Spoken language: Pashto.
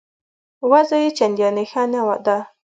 وضع یې چنداني ښه نه ده.